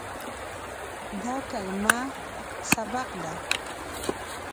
دا کلمه "سبق" ده.